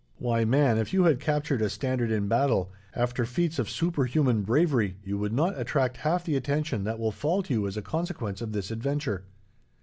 Why, man, if you had captured a standard in battle, after feats of superhuman bravery, you would not attract half the attention that will fall to you as a consequence of this adventure.